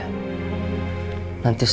aku akan cari kerja